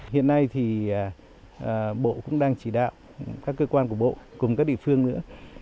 hiện nay thì bộ cũng đang chỉ đạo các cơ quan của bộ cùng các địa phương nữa